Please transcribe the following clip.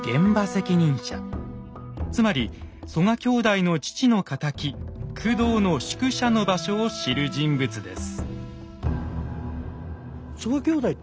つまり曽我兄弟の父の敵工藤の宿舎の場所を知る人物です。